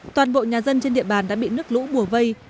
toàn bộ nhà dân trên địa bàn đã bị nước lũ bùa vây